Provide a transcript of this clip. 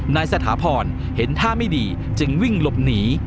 นายสถาพรเห็นท่าไม่ดีจึงวิ่งหลบหนี